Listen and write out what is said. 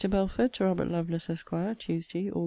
BELFORD, TO ROBERT LOVELACE, ESQ. TUESDAY, AUG.